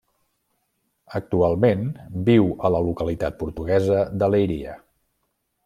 Actualment viu a la localitat portuguesa de Leiria.